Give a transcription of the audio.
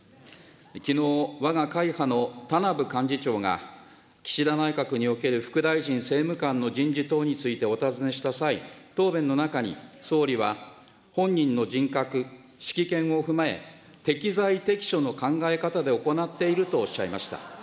きのう、わが会派の田名部幹事長が岸田内閣における副大臣、政務官の人事等についてお尋ねした際、答弁の中に、総理は、本人の人格、識見を踏まえ、適材適所の考え方で行っているとおっしゃいました。